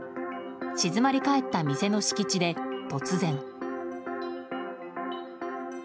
静まり返った店の敷地で突然。